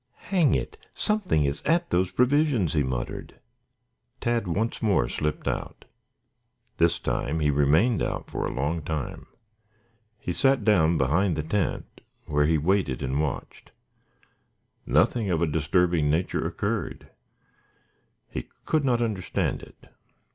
"Hang it! Something is at those provisions," he muttered. Tad once more slipped out. This time he remained out for a long time. He sat down behind the tent where he waited and watched. Nothing of a disturbing nature occurred. He could not understand it.